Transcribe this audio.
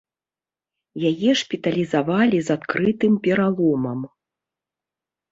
Яе шпіталізавалі з адкрытым пераломам.